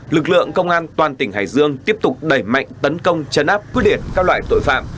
lực lượng công an toàn tỉnh hải dương tiếp tục đẩy mạnh tấn công chấn áp quyết liệt các loại tội phạm